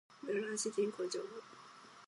室蘭市人口情報